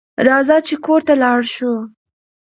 راځه چې کور ته لاړ شو